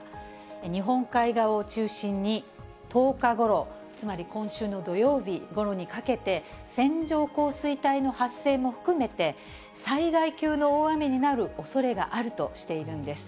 日本海側を中心に、１０日ごろ、つまり今週の土曜日ごろにかけて、線状降水帯の発生も含めて、災害級の大雨になるおそれがあるとしているんです。